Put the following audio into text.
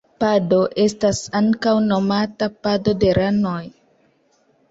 Pado esta ankaŭ nomata pado de ranoj.